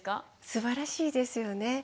すばらしいですよね。